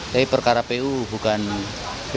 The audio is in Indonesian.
tapi perkara pu bukan pp